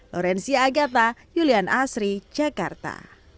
lorencia agata julian asri jakarta